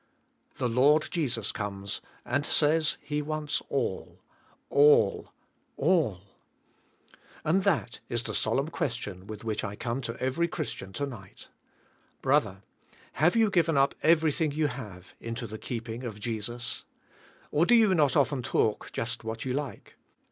The Lord Jesus comes and says he wants all, all, A1.1.. And that is the solemn question with which I come to every Christian, to night. Brother, have you given up everything you have into the keeping of Jesus? Or do you not often talk just what you like?